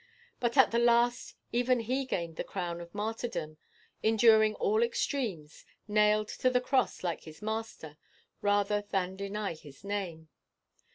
But at the last even he gained the crown of martyrdom, enduring all extremes, nailed to the cross like his Master, rather than deny his name.